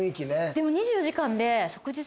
でも。